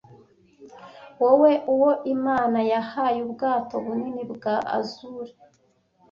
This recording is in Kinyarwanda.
wowe uwo imana yahaye ubwato bunini bwa azure